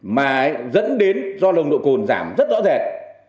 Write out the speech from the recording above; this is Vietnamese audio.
mà dẫn đến do nồng độ cồn giảm rất rõ rệt